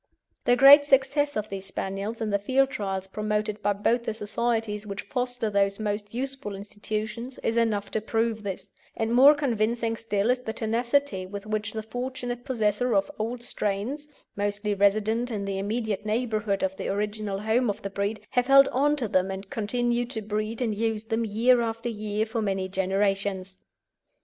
The great success of these Spaniels in the Field Trials promoted by both the societies which foster those most useful institutions is enough to prove this, and more convincing still is the tenacity with which the fortunate possessors of old strains, mostly residents in the immediate neighbourhood of the original home of the breed, have held on to them and continued to breed and use them year after year for many generations.